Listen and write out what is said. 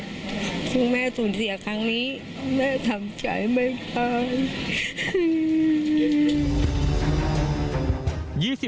พรุ่งแม่ศูนย์เสียครั้งนี้แม่ทำชัยไม่คล้าย